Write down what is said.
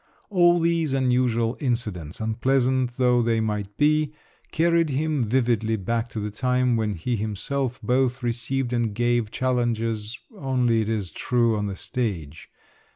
All these unusual incidents, unpleasant though they might be, carried him vividly back to the time when he himself both received and gave challenges—only, it is true, on the stage.